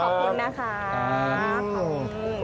ขอบคุณนะคะขอบคุณ